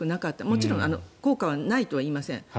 もちろん効果はないとは言いません。